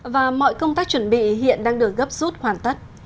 và mọi công tác chuẩn bị hiện đang được gấp rút hoàn tất